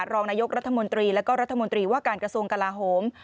รองนายกรัฐมนตรีแล้วก็รัฐมนตรีว่าการกระทรวงกลาโหม